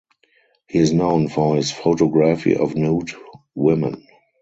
He is known for his photography of nude women.